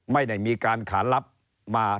ไม่ได้มีการขารับมา